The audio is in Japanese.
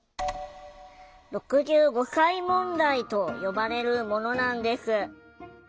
「６５歳問題」と呼ばれるものなんです。